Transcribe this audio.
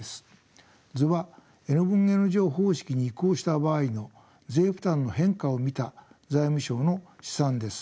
図はＮ分Ｎ乗方式に移行した場合の税負担の変化を見た財務省の試算です。